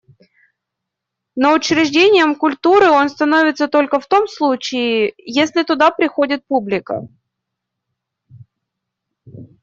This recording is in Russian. Но учреждением культуры он становится только в том случае, если туда приходит публика.